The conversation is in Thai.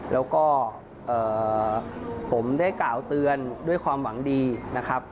แล้วก็ผมได้กล่าวเตือนด้วยความหวังดีนะครับ